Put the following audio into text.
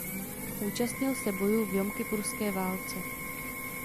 Účastnil se bojů v Jomkipurské válce.